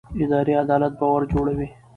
اداري عدالت باور جوړوي